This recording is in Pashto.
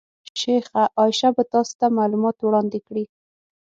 شیخه عایشه به تاسې ته معلومات وړاندې کړي.